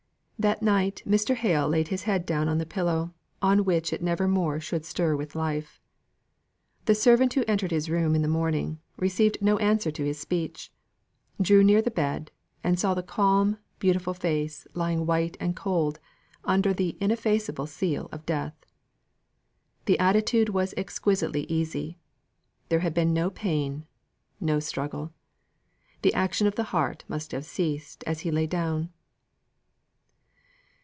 That night Mr. Hale laid his head down upon the pillow on which it never more should stir with life. The servant who entered his room in the morning, received no answer to his speech; drew near the bed, and saw the calm, beautiful face lying white and cold under the ineffaceable seal of death. The attitude was exquisitely easy; there had been no pain no struggle. The action of the heart must have ceased as he lay down.